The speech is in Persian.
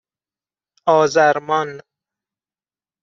آذرمان